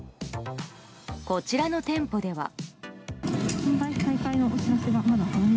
こちらの店舗では。